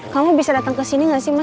kamu bisa dateng kesini ga sih mas